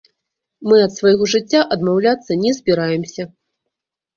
Мы ад свайго жыцця адмаўляцца не збіраемся.